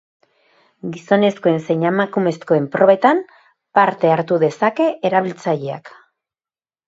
Gizonezkoen zein emakumezkoen probetan parte hartu dezake erabiltzaileak.